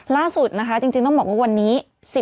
ล่าสุดนะคะจริงต้องบอกว่าวันนี้